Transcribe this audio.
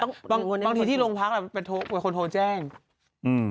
ต้องบางทีที่โรงพาร์คแบบไปโทรโทรแจ้งอืม